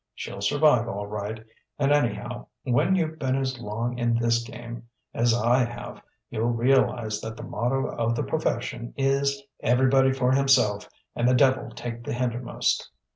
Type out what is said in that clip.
She'll survive, all right. And anyhow, when you've been as long in this game as I have, you'll realize that the motto of the profession is 'Everybody for himself and the devil take the hindermost'!